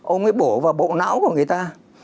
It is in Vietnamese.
ông ấy bổ vào bộ não của người ta